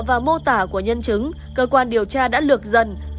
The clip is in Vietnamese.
dựa vào mô tả của nhân chúng cơ quan điều tra đã lược dần thu